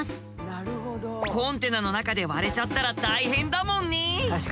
コンテナの中で割れちゃったら大変だもんね。